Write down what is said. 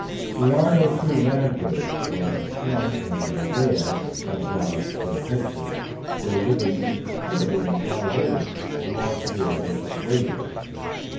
There are no true land birds, for a snipe and a rail (Rallus Phillippensis), though living entirely in the dry herbage, belong to the order of Waders.